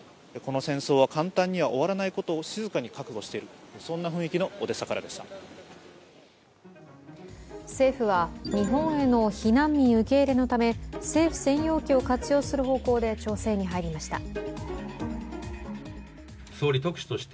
この戦争は簡単には終わらないことを静かに覚悟している、そんな雰政府は日本への避難民受け入れのため、政府専用機を活用する方向で調整に入りました。